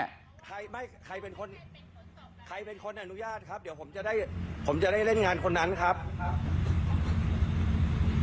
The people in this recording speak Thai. ใครเป็นคนอนุญาตครับเดี๋ยวผมจะได้เล่นงานคนนั้นครับ